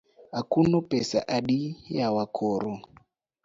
Akuno pesa adi yawa koro?